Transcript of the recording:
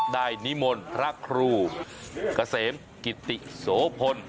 ได้นิมล์พระครูเกษมกิติโศพน